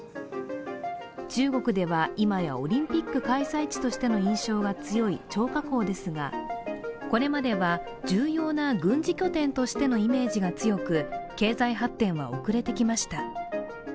中国では今やオリンピック開催地としての印象が強い張家口ですが、これまでは重要な軍事拠点としてのイメージが強く経済発展は遅れてきました。